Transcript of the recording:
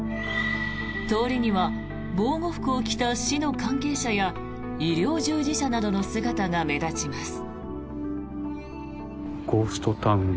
通りには防護服を着た市の関係者や医療従事者などの姿が目立ちます。